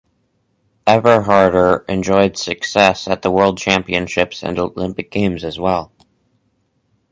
Eberharter enjoyed success at the World Championships and Olympic Games as well.